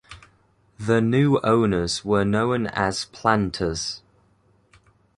The new owners were known as "planters".